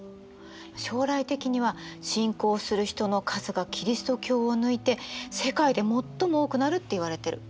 将来的には信仰する人の数がキリスト教を抜いて世界で最も多くなるっていわれてる。